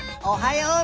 おはよう。